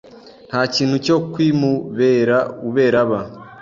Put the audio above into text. Nta kintu cyo kwiMuberauberaba.